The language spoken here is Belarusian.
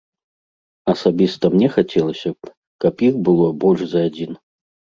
Асабіста мне хацелася б, каб іх было больш за адзін.